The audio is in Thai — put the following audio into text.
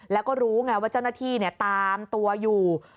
แล้วก็รู้ไงว่าเจ้าหน้าที่ตามตัวอยู่